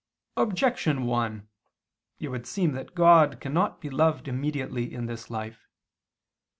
Objection 1: It would seem that God cannot be loved immediately in this life.